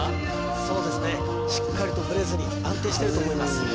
そうですねしっかりとブレずに安定してると思います